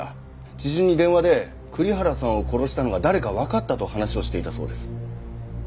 知人に電話で栗原さんを殺したのが誰かわかったと話をしていたそうです。